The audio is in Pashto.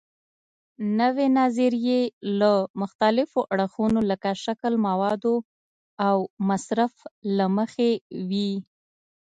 نوې نظریې له مختلفو اړخونو لکه شکل، موادو او مصرف له مخې وي.